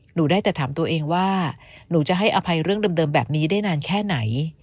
หนูได้แต่ถามตัวเองว่าหนูจะให้อภัยเรื่องเดิมแบบนี้ได้นานแค่ไหน